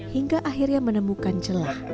hingga akhirnya menemukan celah